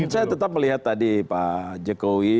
saya tetap melihat tadi pak jokowi